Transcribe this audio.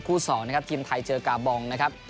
๒นะครับทีมไทยเจอกาบองนะครับ